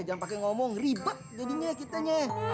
jangan pakai ngomong ribet jadinya kitanya